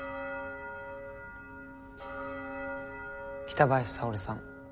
北林沙織さん。